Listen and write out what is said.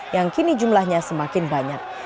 yang kini jumlahnya semakin banyak